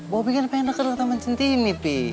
bobby kan pengen deket ke taman centini pi